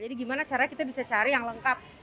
jadi gimana caranya kita bisa cari yang lengkap